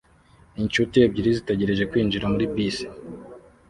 Inshuti ebyiri zitegereje kwinjira muri bisi